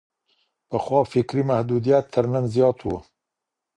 پخوا فکري محدوديت تر نن زيات وو.